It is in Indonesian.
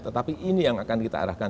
tetapi ini yang akan kita arahkan